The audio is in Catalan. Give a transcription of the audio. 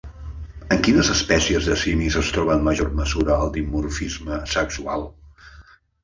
En quines espècies de simis es troba en major mesura el dimorfisme sexual?